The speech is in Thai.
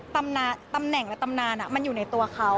ตำแหน่งและตำนานมันอยู่ในตัวเขา